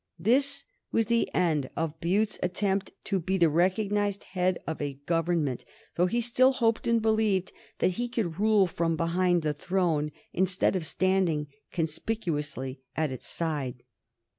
This was the end of Bute's attempt to be the recognized head of a government, though he still hoped and believed that he could rule from behind the throne instead of standing conspicuously at its side.